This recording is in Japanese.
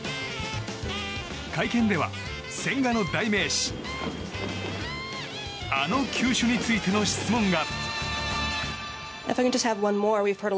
会見では、千賀の代名詞あの球種についての質問が。